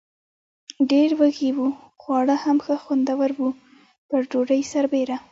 ډېر وږي و، خواړه هم ښه خوندور و، پر ډوډۍ سربېره.